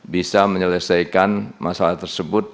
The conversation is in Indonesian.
bisa menyelesaikan masalah tersebut